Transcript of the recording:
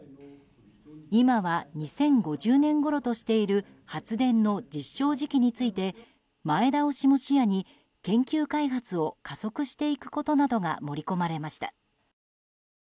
今は２０５０年ごろとしている発電の実証時期について前倒しも視野に研究開発を加速していくことなどが盛り込まれました。